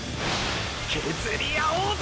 削り合おうぜ！！